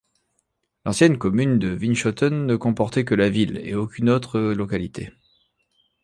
L'ancienne commune de Winschoten ne comportait que la ville et aucune autre localité.